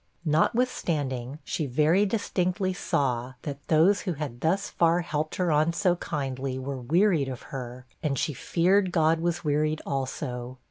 Notwithstanding, she very distinctly saw that those who had thus far helped her on so kindly were wearied of her, and she feared God was wearied also.